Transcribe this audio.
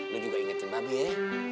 lu juga ingetin mba be ya